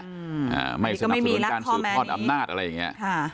อันนี้ก็ไม่มีและข้อแมลนี้